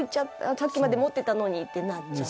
さっきまで持ってたのにってなっちゃう。